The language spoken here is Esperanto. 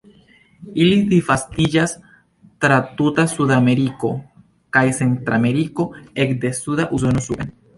Ili disvastiĝas tra tuta Sudameriko kaj Centrameriko ekde suda Usono suben.